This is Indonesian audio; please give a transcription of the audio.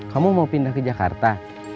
kamu mau pindah ke jakarta